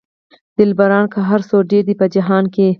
دلبران که هر څو ډېر دي په جهان کې.